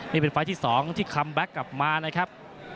นี่เป็นไฟล์ที่๒ที่คัมแบ็คกลับมานะครับ